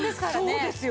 そうですよ。